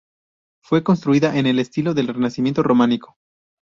Fue construida en el estilo del renacimiento románico.